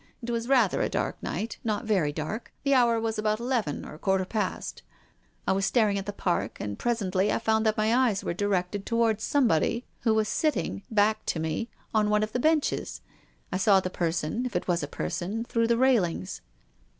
It was rather a dark night, not very dark. The hour wasabout eleven, or a quarter past. I was staring at the Park, and presently I found that my eyes were directed towards somebody who was sitting, back to me, on one of the benches. I saw the person — if it was a person, — through the railings."